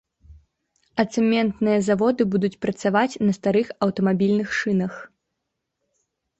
А цэментныя заводы будуць працаваць на старых аўтамабільных шынах.